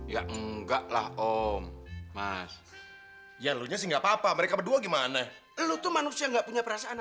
ya enggaklah om mas ya lu sih enggak papa mereka berdua gimana lu tuh manusia enggak punya perasaan